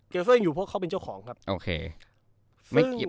เกลเซอร์ยังอยู่เพราะเขาเป็นเจ้าของครับ